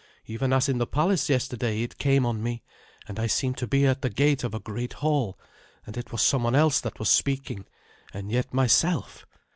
Even as in the palace yesterday it came on me, and I seemed to be at the gate of a great hall, and it was someone else that was speaking, and yet myself.